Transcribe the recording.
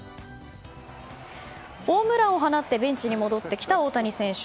ホームランを放ってベンチに戻ってきた大谷選手。